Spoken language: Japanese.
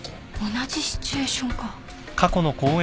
同じシチュエーションか。